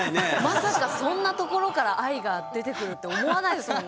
まさかそんなところから愛が出てくるって思わないですもんね。